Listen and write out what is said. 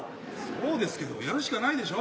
そうですけどやるしかないでしょ。